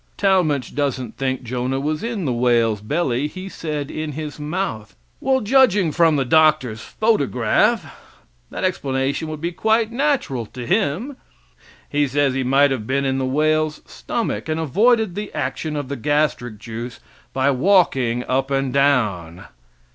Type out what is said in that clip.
Talmage doesn't think Jonah was in the whale's belly he said in his mouth. Well, judging from the doctor's photograph, that explanation would be quite natural to him. He says he might have been in the whale's stomach, and avoided the action of the gastric juice by walking up and down.